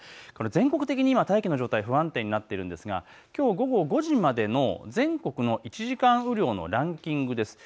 全国的に大気の状態が不安定になっているんですが、きょう午後５時までの全国の１時間雨量のランキングです。